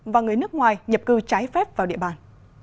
và người nước ngoài nhập cư trái phép vào địa bàn